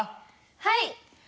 はい！